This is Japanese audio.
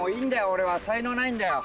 俺は才能ないんだよ。